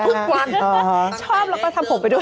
ทุกวันชอบแล้วก็ทำผมไปด้วย